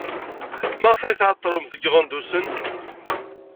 Maɣef ay tɛeḍḍlemt deg Iɣendusen?